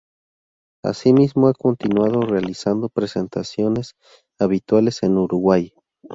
Asimismo ha continuado realizando presentaciones habituales en Uruguay.